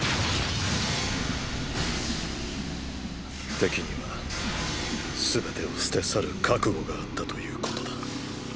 敵には全てを捨て去る覚悟があったということだ。